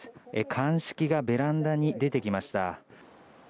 鑑識がベランダに出てきました。